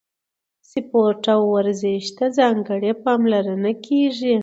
سپورت او ورزش ته ځانګړې پاملرنه کیږي.